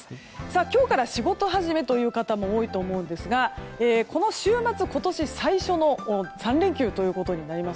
今日から仕事始めという方も多いと思うんですがこの週末、最初の３連休ということになります。